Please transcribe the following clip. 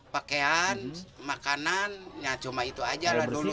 pakaian makanan ya cuma itu aja lah dulu